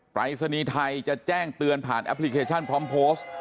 ปรายศนีย์ไทยจะแจ้งเตือนผ่านแอปพลิเคชันพร้อมโพสต์